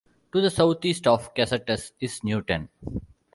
To the southeast of Casatus is Newton.